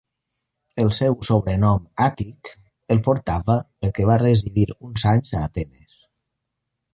El seu sobrenom Àtic el portava perquè va residir uns anys a Atenes.